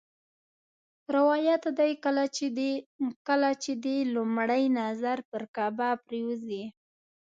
روایت دی کله چې دې لومړی نظر پر کعبه پرېوځي.